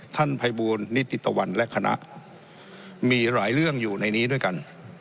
ท่านภัยบูลนิติตะวันและคณะมีหลายเรื่องอยู่ในนี้ด้วยกัน